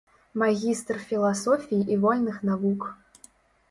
Магістр філасофіі і вольных навук.